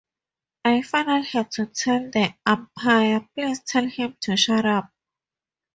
I finally had to tell the umpire: 'Please tell him to shut up.